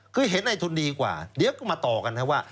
คือเห็นในทุนดีกว่าเดี๋ยวก็มาต่อกันครับว่า